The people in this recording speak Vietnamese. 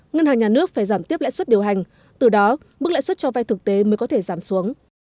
ngân hàng nhà nước phải giảm tiếp lãi suất điều hành từ đó mức lãi suất cho vay thực tế mới có thể giảm xuống